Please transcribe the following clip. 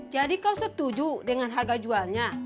jadi kau setuju dengan harga jualnya